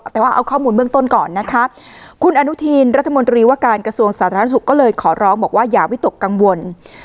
แต่ว่าเอาข้อมูลเบื้องต้นก่อนนะคะคุณอนุทีนรัฐมนตรีว่าการกระทรวงสาธารณสุขก็เลยขอร้องบอกว่าอย่าวิตกกังวล